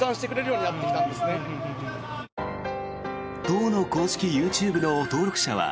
党の公式ＹｏｕＴｕｂｅの登録者は